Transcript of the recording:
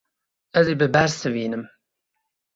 Ez ê bibersivînim.